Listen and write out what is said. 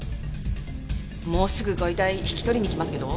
もうすぐご遺体引き取りにきますけど。